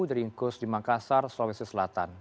diringkus di makassar sulawesi selatan